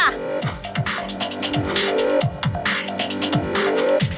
นี่แหละคุณค่ะ